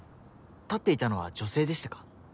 立っていたのは女性でしたか？